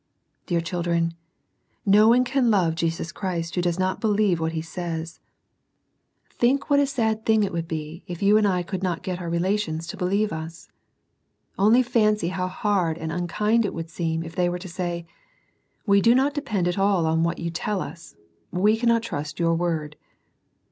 Dear children, no one can love Jesus Christ who does not believe what He says. Think what a sad thing it would be \i ^ou ^xid 1 could SEEKING THE LORD EARLY. II9 not get our relations to believe us. Only fancy how hard and unkind it would seem if they were to say, " We do not depend at all on what you tell us, we cannot trust your word."